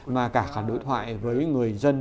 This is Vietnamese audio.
mà cả đối thoại với người dân